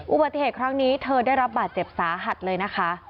อุบัติเหตุครั้งนี้เธอได้รับบาดเจ็บสาหัสเลยนะคะ